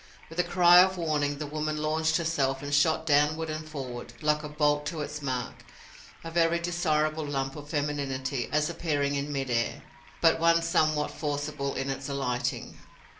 With a cry of warning, the woman launched herself and shot downward and forward, like a bolt to its mark, a very desirable lump of femininity as appearing in mid air, but one somewhat forcible in its alighting.